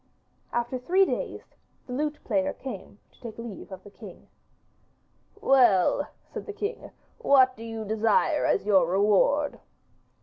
After three days the lute player came to take leave of the king. 'Well,' said the king, 'what do you desire as your reward?